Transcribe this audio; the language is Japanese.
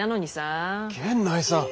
源内さん！